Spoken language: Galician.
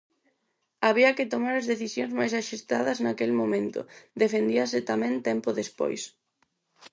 "Había que tomar as decisións máis axeitadas naquel momento", defendíase tamén tempo despois.